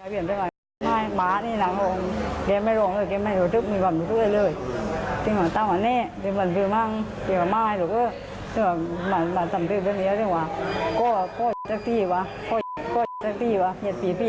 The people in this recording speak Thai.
โรงที่มีเยอะกันจึงจนทำได้มาใกล้ว่ามันทำได้ดี